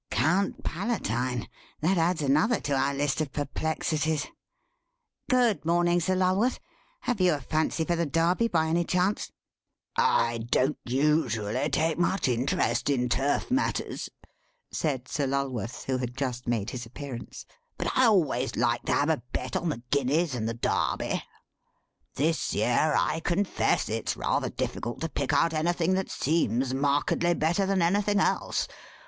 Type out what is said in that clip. "Count Palatine—that adds another to our list of perplexities. Good morning, Sir Lulworth; have you a fancy for the Derby by any chance?" "I don't usually take much interest in turf matters," said Sir Lulworth, who had just made his appearance, "but I always like to have a bet on the Guineas and the Derby. This year, I confess, it's rather difficult to pick out anything that seems markedly better than anything else.